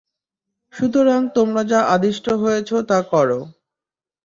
সুতরাং তোমরা যা আদিষ্ট হয়েছ তা কর।